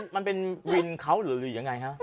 มันเป็นวินเขาหรือยังไงฮะ